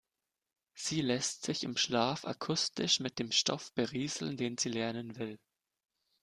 Sie lässt sich im Schlaf akustisch mit dem Stoff berieseln, den sie lernen will.